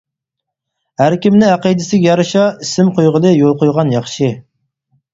ھەر كىمنى ئەقىدىسىگە يارىشا ئىسىم قويغىلى يول قويغان ياخشى.